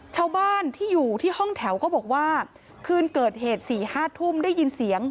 ชาวบ้านที่อยู่ที่ห้องแถวก็บอกว่าคืนเกิดเหตุ๔๕ทุ่มได้ยินเสียง